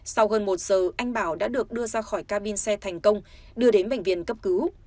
sau gần một giờ anh bảo đã được đưa ra khỏi ca bin xe thành công đưa đến bệnh viện cấp cứu